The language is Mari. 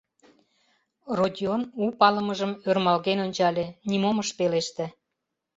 Родион у палымыжым ӧрмалген ончале, нимом ыш пелеште.